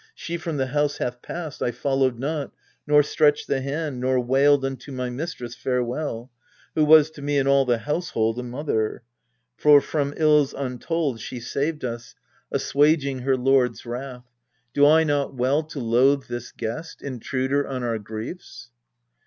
She from the house hath passed : I followed not, Nor stretched the hand, nor wailed unto my mistress Farewell, who was to me and all the household A mother, for from ills untold she saved us, 224 EURIPIDES Assuaging her lord's wrath. Do I not well To loathe this guest, intruder on our griefs